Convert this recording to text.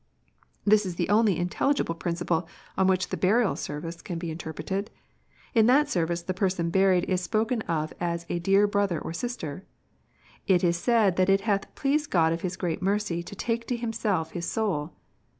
This is the only intelligible principle on which the Burial Service can be interpreted. In that Service the person buried is spoken of as a "dear brother or sister." It is said that it hath " pleased God of His great mercy to take to Himself his soul."